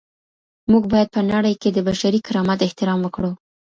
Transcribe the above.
موږ باید په نړۍ کي د بشري کرامت احترام وکړو.